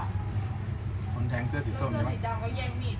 คนแท้งเสื้อสีส้อมใช่มั้ย